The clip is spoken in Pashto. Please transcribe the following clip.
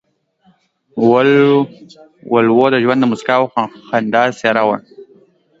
ولو د ژوند د موسکا او خندا څېره وه.